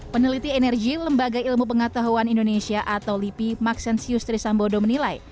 peneliti energi lembaga ilmu pengetahuan indonesia atau lipi maxensius trisambodo menilai